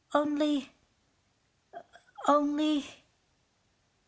Only ... only...."